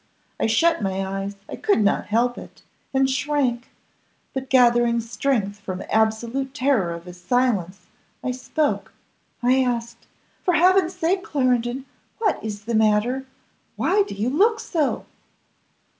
I shut my eyes I could not help it and shrank; but, gathering strength from absolute terror of his silence, I spoke: I asked, 'For Heaven's sake! Clarendon, what is the matter? Why do you look so?